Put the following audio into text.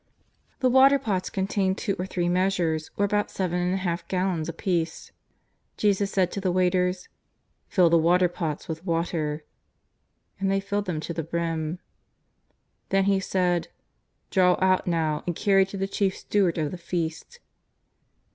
The water pots contained two or three measures, or about seven and a half gallons apiece. Jesus said to the waiters :" Fill the water pots with water." And they filled them to the brim. Then He said :" Draw out now and carry to the chief steward of the feast."